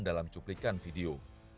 dalam cuplikan video